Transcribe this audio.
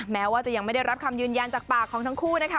แม้ว่าจะยังไม่ได้รับคำยืนยันจากปากของทั้งคู่นะคะ